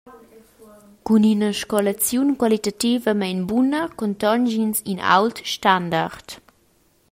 Cun ina scolaziun qualitativamein buna contonsch’ins in ault standard.